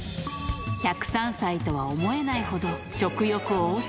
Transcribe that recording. １０３歳とは思えないほど食欲旺盛。